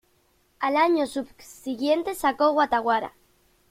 Al año subsiguiente sacó "Wata-Wara".